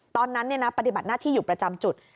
ตอนนั้นปฏิบัติหน้าที่อยู่ประจำจุด